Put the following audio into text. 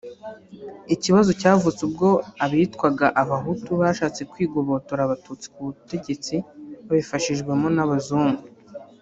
Ikibazo cyavutse ubwo abitwaga Abahutu bashatse kwigobotora abatutsi ku butegetsi babifashijwemo n’abazungu